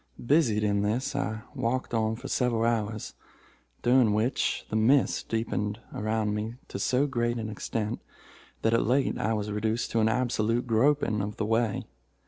"Busied in this, I walked on for several hours, during which the mist deepened around me to so great an extent that at length I was reduced to an absolute groping of the way.